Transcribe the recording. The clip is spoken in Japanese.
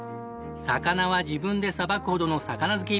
魚は自分で捌くほどの魚好き。